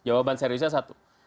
jawaban seriusnya satu